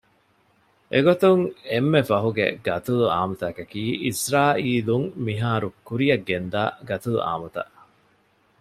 އެގޮތުން އެންމެ ފަހުގެ ގަތުލުއާންމުތަކަކީ އިސްރާއީލުން މިހާރު ކުރިޔަށްގެންދާ ގަތުލުއާންމުތައް